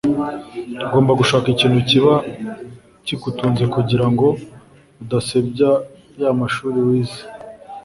ugomba gushaka ikintu kiba kigutunze kugira ngo udasebya ya mashuri wize